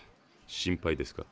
心配ですか？